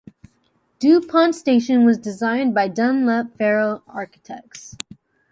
Dupont Station was designed by Dunlop-Farrow Architects.